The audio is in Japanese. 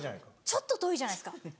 ちょっと遠いじゃないですか。